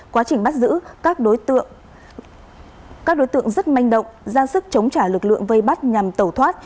quá trình bắt giữ các đối tượng rất manh động ra sức chống trả lực lượng vây bắt nhằm tẩu thoát